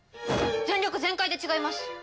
全力全開で違います！